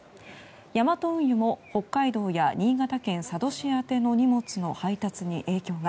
ヤマト運輸も北海道や新潟県佐渡市宛ての荷物の配達に、影響が。